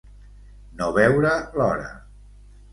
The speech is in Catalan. No veure l'hora.